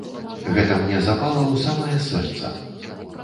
Гэта мне запала ў самае сэрца.